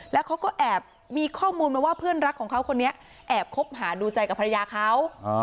แล้วเขาก็แอบมีข้อมูลมาว่าเพื่อนรักของเขาคนนี้แอบคบหาดูใจกับภรรยาเขา